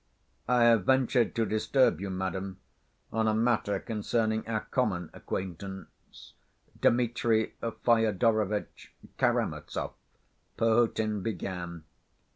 "I have ventured to disturb you, madam, on a matter concerning our common acquaintance, Dmitri Fyodorovitch Karamazov," Perhotin began.